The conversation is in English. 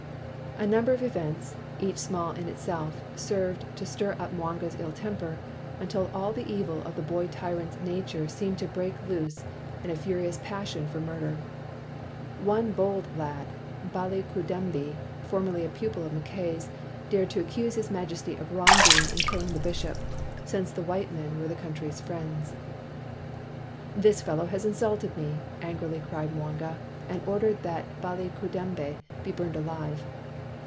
A number of events, each small in itself, served to stir up Mwanga 's illtemper until all the evil of the boy tyrant 's nature seemed to break loose in a furious passion for mur der. One bold lad, Balikudembe, formerly a pupil of Mackay's, dared to accuse his majesty of wrong doing in killing the bishop, since the white men were the coun try's friends. 233 WHITE MAN OF WORK "This fellow has insulted me," angrily cried Mwanga, and ordered that Baliku dembe be burned alive.